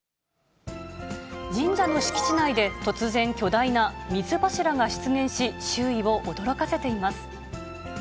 神社の敷地内で突然、巨大な水柱が出現し、周囲を驚かせています。